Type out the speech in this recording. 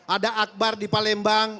ada akbar di palembang